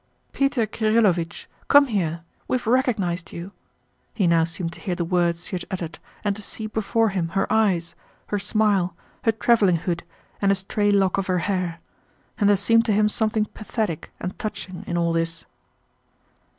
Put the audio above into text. "Peter Kirílovich, come here! We have recognized you," he now seemed to hear the words she had uttered and to see before him her eyes, her smile, her traveling hood, and a stray lock of her hair... and there seemed to him something pathetic and touching in all this.